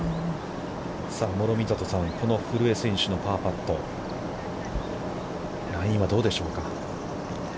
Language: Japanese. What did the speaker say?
諸見里さん、この古江選手のパーパット、ラインはどうでしょうか。